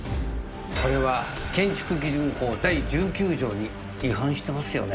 これは建築基準法第１９条に違反してますよね？